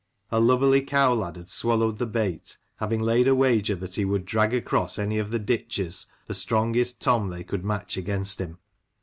A lubberly cow lad had swallowed the bait, having laid a wager that he would drag across any of the ditches the strongest " Tom " they could match against him.